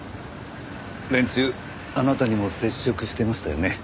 連中あなたにも接触してましたよね。